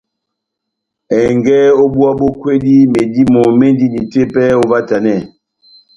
Ɛngɛ ó búwa bó kwédi, medímo médini tepɛhɛ óvahtanɛ ?